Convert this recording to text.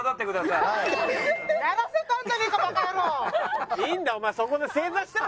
いいんだよ。